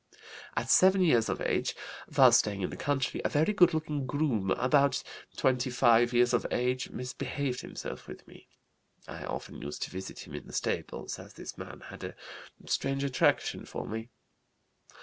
"At 7 years of age, while staying in the country, a very good looking groom, about 25 years of age, misbehaved himself with me. I often used to visit him in the stables, as this man had a strange attraction for me.